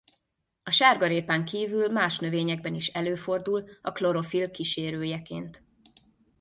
A sárgarépán kívül más növényekben is előfordul a klorofill kísérőjeként.